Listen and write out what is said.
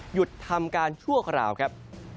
หยุดทำการชั่วคราวครับ